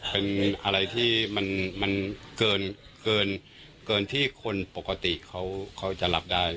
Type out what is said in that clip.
เป็นอะไรที่มันเกินที่คนปกติเขาจะรับได้